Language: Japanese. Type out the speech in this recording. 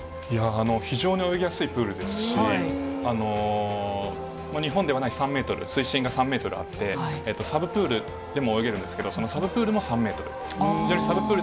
非常に泳ぎやすいプールですし、日本ではない３メートル、水深が３メートルあって、サブプールでも泳げるんですけど、そのサブプールも３メートル。